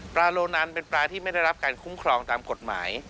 โลนันเป็นปลาที่ไม่ได้รับการคุ้มครองตามกฎหมาย